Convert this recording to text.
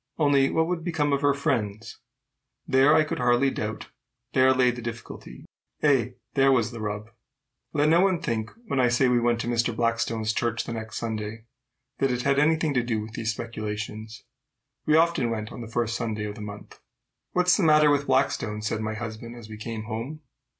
Only, what would become of her friends? There, I could hardly doubt, there lay the difficulty! Ay, there was the rub! Let no one think, when I say we went to Mr. Blackstone's church the next Sunday, that it had any thing to do with these speculations. We often went on the first Sunday of the month. "What's the matter with Blackstone?" said my husband as we came home.